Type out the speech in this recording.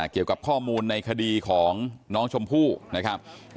เกี่ยวกับข้อมูลในคดีของน้องชมพู่นะครับ